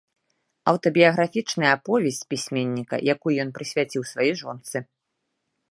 Аўтабіяграфічная аповесць пісьменніка, якую ён прысвяціў сваёй жонцы.